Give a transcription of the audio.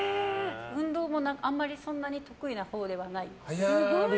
運動もあまりそんなに得意なほうではないです。